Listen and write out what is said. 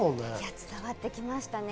伝わってきましたね。